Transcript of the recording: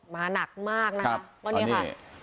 มาหนักมากนั่สตรงนี้ค่ะ